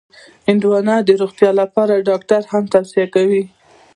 هندوانه د روغتیا لپاره ډاکټر هم توصیه کوي.